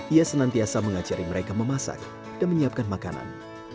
ia senantiasa mengajari mereka memasak dan menyiapkan makanan